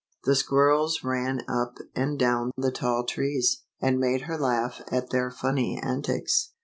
The squirrels ran up and down the tall trees, and made her laugh at their funny antics.